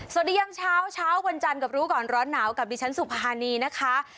ยังเช้าเช้าวันจันทร์กับรู้ก่อนร้อนหนาวกับดิฉันสุภานีนะคะ